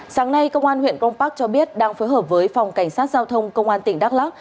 sáng nay công an huyện cron park cho biết đang phối hợp với phòng cảnh sát giao thông công an tỉnh đắk lắc